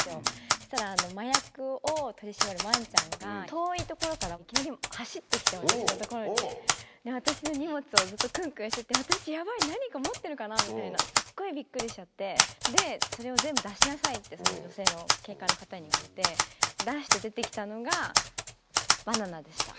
そしたら、麻薬を取り締まるわんちゃんが、遠い所から急に走ってきて、私の所に、私の荷物をずっとくんくんしてて、私、やばい、何か持ってるかなみたいな、すっごいびっくりしちゃって、で、それを全部出しなさいって、その女性の警官の方に言われて、出して出てきたのが、バナナでした。